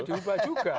gak bisa diubah juga